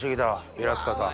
平塚さん。